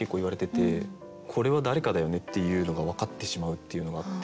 これは誰かだよねっていうのがわかってしまうっていうのがあって。